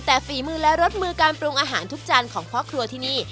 แต่ฝีมือและรสมือการปรุงอาหารทุกจานของพ่อครัวที่นี่